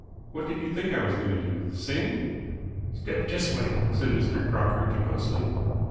"What did you think I was going to do? Sing?" "Step dis way!" said Mr. Crocker jocosely.